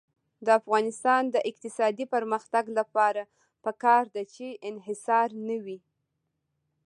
د افغانستان د اقتصادي پرمختګ لپاره پکار ده چې انحصار نه وي.